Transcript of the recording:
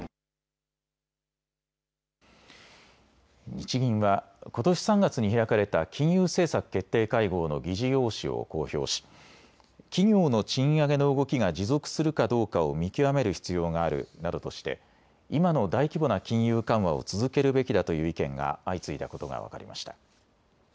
日銀はことし３月に開かれた金融政策決定会合の議事要旨を公表し企業の賃上げの動きが持続するかどうかを見極める必要があるなどとして今の大規模な金融緩和を続けるべきだという意見が相次いだことが分かりました。